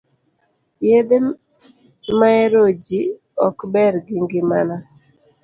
Yedhe maeroji ok ber gi ngimana.